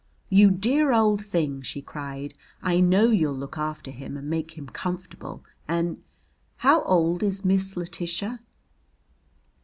"You dear old thing!" she cried. "I know you'll look after him and make him comfortable and how old is Miss Letitia?"